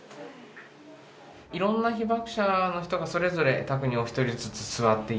いろんな被爆者の人がそれぞれの卓にお一人ずつ座っていただいて